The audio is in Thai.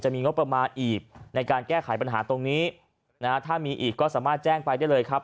มีงบประมาณอีกในการแก้ไขปัญหาตรงนี้นะฮะถ้ามีอีกก็สามารถแจ้งไปได้เลยครับ